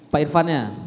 pak irfan nya